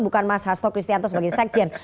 bukan mas hasto kristianto sebagai sekjen